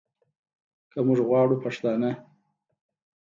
که موږ غواړو پښتانه